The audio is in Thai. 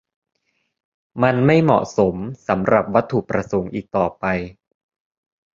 มันไม่เหมาะสมสำหรับวัตถุประสงค์อีกต่อไป